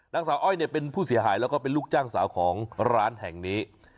นางสาวอ้อยเนี่ยเป็นผู้เสียหายแล้วก็เป็นลูกจ้างสาวของร้านแห่งนี้